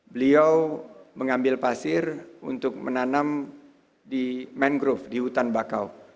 beliau mengambil pasir untuk menanam di mangrove di hutan bakau